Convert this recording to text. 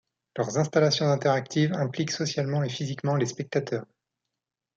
Leurs installations interactives impliquent socialement et physiquement les spectateurs.